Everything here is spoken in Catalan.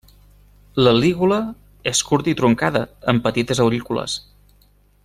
La lígula és curta i truncada amb petites aurícules.